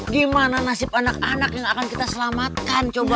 gimana nasib anak anak yang akan kita selamatkan coba